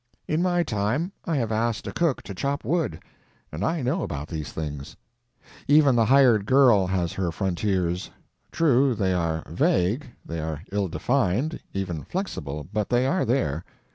In my time I have asked a cook to chop wood, and I know about these things. Even the hired girl has her frontiers; true, they are vague, they are ill defined, even flexible, but they are there.